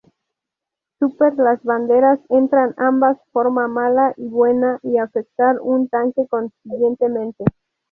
Super Las banderas entran ambas forma mala y buena, y afectar un tanque consiguientemente.